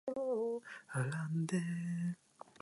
お前は今まで食べたパンの枚数を覚えているのか？